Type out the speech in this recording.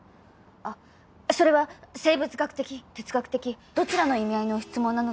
あっそれは生物学的哲学的どちらの意味合いの質問なのでしょうか？